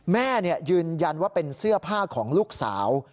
แม่ยืนยันว่าเป็นเสื้อผ้าของลูกสาว